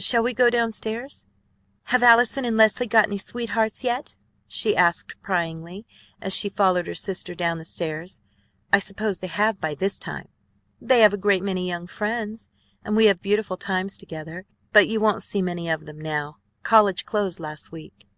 Shall we go down stairs?" "Have Allison and Leslie got any sweethearts yet?" she asked pryingly as she followed her sister down the stairs. "I suppose they have by this time." "They have a great many young friends, and we have beautiful times together. But you won't see many of them now. College closed last week."